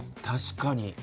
確かに。